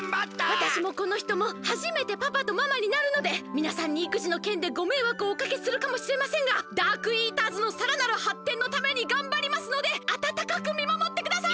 わたしもこのひともはじめてパパとママになるのでみなさんにいくじのけんでごめいわくをおかけするかもしれませんがダークイーターズのさらなるはってんのためにがんばりますのであたたかくみまもってください！